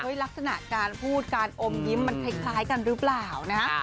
ลักษณะการพูดการอมยิ้มมันคล้ายกันหรือเปล่านะฮะ